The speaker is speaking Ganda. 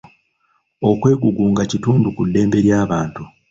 okwegugunga kitundu ku ddembe ly'abantu.